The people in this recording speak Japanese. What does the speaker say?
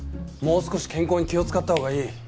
もう少し健康に気をつかった方がいい。